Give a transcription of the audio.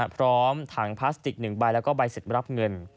พร้อมถังพลาสติก๑ใบแล้วก็ใบเสร็จรับเงิน